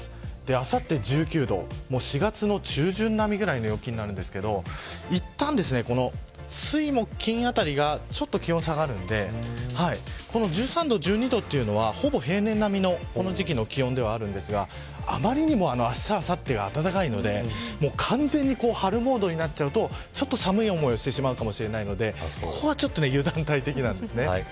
あさって、１９度４月の中旬並みぐらいの陽気になるんですがいったん水木金あたりがちょっと気温が下がるのでこの１３度、１２度というのはほぼ平年並みのこの時期の気温ではあるんですがあまりにもあした、あさってが暖かいので完全に春モードになっちゃうとちょっと寒い思いをしてしまうかもしれないのでここは油断大敵なんですね。